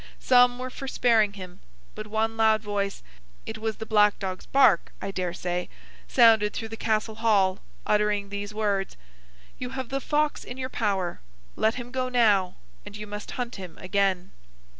Some were for sparing him, but one loud voice—it was the black dog's bark, I dare say—sounded through the Castle Hall, uttering these words: 'You have the fox in your power. Let him go now, and you must hunt him again.